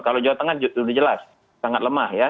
kalau jawa tengah sudah jelas sangat lemah ya